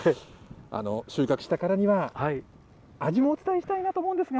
収穫したからには、味もお伝えしたいなと思うんですが。